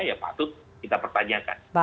ya patut kita pertanyakan